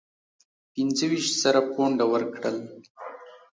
پنځه ویشت زره پونډه ورکړل.